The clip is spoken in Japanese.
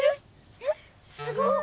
えっすごい！